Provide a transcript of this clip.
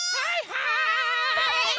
はい！